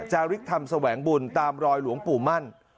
ริกธรรมแสวงบุญตามรอยหลวงปู่มั่น